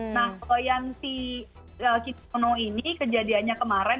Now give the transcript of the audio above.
nah yang si kim seon ho ini kejadiannya kemarin